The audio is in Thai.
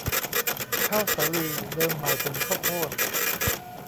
ข้าวสาลี เดิมหมายถึงข้าวโพด